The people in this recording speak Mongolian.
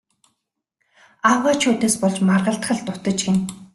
Авгайчуудаас болж маргалдах л дутаж гэнэ.